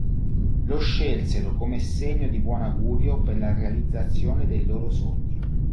Lo scelsero come segno di buon augurio per la realizzazione dei loro sogni.